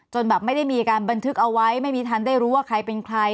แบบไม่ได้มีการบันทึกเอาไว้ไม่มีทันได้รู้ว่าใครเป็นใคร